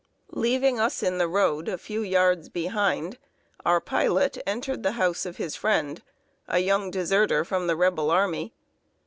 Leaving us in the road a few yards behind, our pilot entered the house of his friend, a young deserter from the Rebel army.